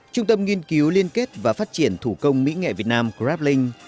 trung tâm nghiên cứu liên kết và phát triển thủ công mỹ nghệ việt nam grablink